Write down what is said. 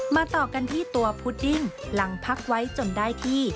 ต่อกันที่ตัวพุดดิ้งหลังพักไว้จนได้ที่